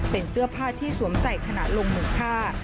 เป็นเสื้อผ้าที่สวมใส่ขนาดลงหมุนค่า